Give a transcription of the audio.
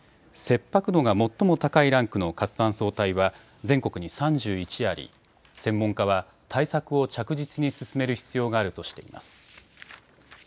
切迫度が最も高いランクの活断層帯は全国に３１あり、専門家は対策を着実に進める必要があるとしています。